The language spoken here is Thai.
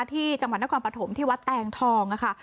ที่จังหวัดนครปฐมที่วัดแตงทองค่ะ